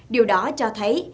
điều đó cho thấy